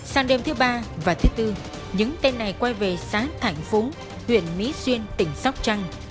sáng đêm thứ ba và thứ bốn những tên này quay về xã thạnh phú huyện mỹ xuyên tỉnh sóc trăng